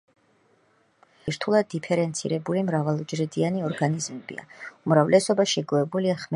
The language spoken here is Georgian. უმაღლესი მცენარეები რთულად დიფერენცირებული მრავალუჯრედიანი ორგანიზმებია; უმრავლესობა შეგუებულია ხმელეთზე ცხოვრებას.